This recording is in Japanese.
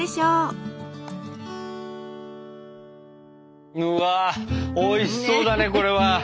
うわおいしそうだねこれは！